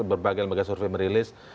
berbagai survei merilis